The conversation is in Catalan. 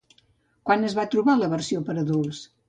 Quan es va trobar la versió per a adults?